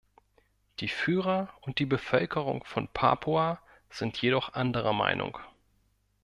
Die Führer und die Bevölkerung von Papua sind jedoch anderer Meinung.